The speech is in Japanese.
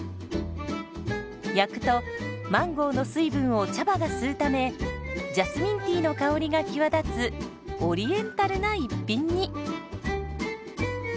焼くとマンゴーの水分を茶葉が吸うためジャスミンティーの香りが際立つオリエンタルな一品に。